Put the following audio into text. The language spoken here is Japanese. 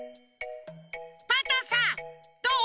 パンタンさんどう？